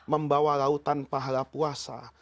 membawa lautan tanpa halal puasa